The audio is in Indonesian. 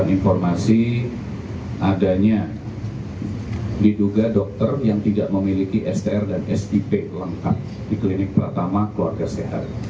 informasi adanya diduga dokter yang tidak memiliki str dan sip lengkap di klinik pertama keluarga sehat